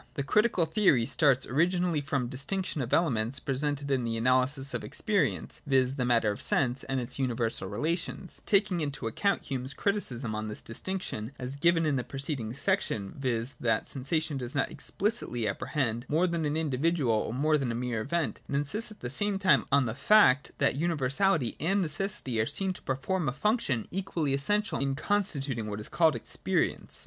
The Critical theory starts originally from the distinc tion of elements presented in the analysis of experience, viz. the matter of sense, and its universal relations. Taking into account Hume's criticism on this distinction 40,41 ] THE 'CRITICAL' PHILOSOPHY. 83 as given in the preceding section, viz. that sensation does not expHcitly apprehend more than an individual ^ or more than a mere event, it insists at the same time on the fact that universahty and necessity are seen to perform a function equally essential in constituting what is called experience.